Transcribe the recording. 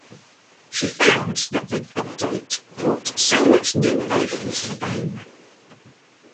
She found that the update brought "so much new life into the game".